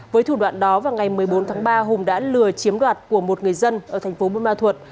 với thủ đoạn đó vào ngày một mươi bốn tháng ba hùng đã lừa chiếm đoạt của một người dân ở thành phố buôn ma thuột